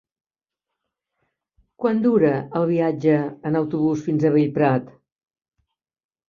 Quant dura el viatge en autobús fins a Bellprat?